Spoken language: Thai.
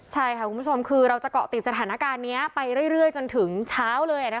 ใช่ค่ะคุณผู้ชมคือเราจะเกาะติดสถานการณ์นี้ไปเรื่อยจนถึงเช้าเลย